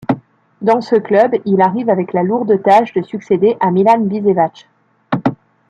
Dans ce club, il arrive avec la lourde tâche de succéder à Milan Biševac.